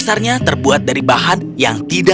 kita bisa mengubahnya dengan cara yang lebih mudah